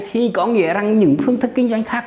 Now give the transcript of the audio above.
thì có nghĩa rằng những phương thức kinh doanh khác